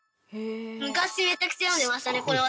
昔めちゃくちゃ読んでましたねこれは。